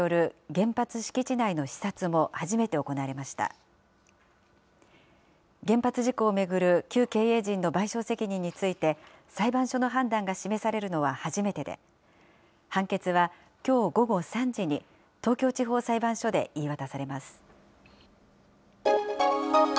原発事故を巡る旧経営陣の賠償責任について、裁判所の判断が示されるのは初めてで、判決はきょう午後３時に、東京地方裁判所で言い渡されます。